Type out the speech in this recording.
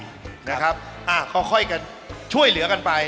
ค่อยกันช่วยเหลือกันไป